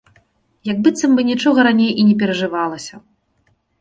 Як быццам бы нічога раней і не перажывалася.